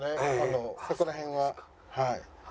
そこら辺ははい。